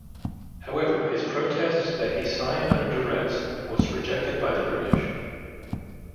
However, his protests that he signed under duress was rejected by the British.